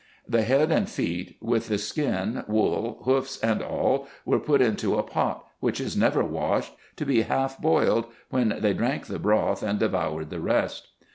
The head and feet, with the skin, wool, hoofs, and all, were put into a pot, which is never washed, to be half boiled, when they drank the broth, and devoured the rest.